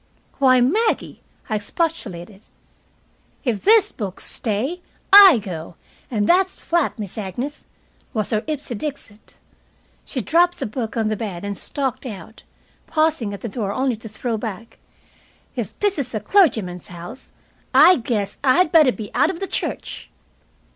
"Why, Maggie," I expostulated. "If these books stay, I go, and that's flat, Miss Agnes," was her ipse dixit. She dropped the book on the bed and stalked out, pausing at the door only to throw back, "If this is a clergyman's house, I guess I'd be better out of the church."